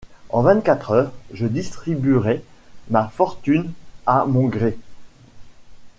En vingt-quatre heures je distribuerai ma fortune à mon gré.